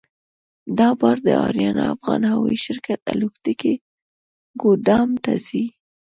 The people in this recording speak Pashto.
دا بار د اریانا افغان هوایي شرکت الوتکې ګودام ته ځي.